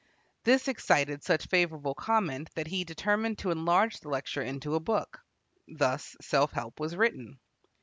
This excited such favorable comment that he determined to enlarge the lecture into a book. Thus "Self Help" was written.